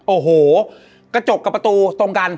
โอ้โหกระจกกับประตูตรงกัน